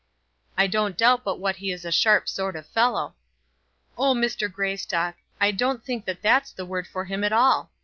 "I don't doubt but what he is a sharp sort of fellow." "Oh, Mr. Greystock, I don't think that that's the word for him at all.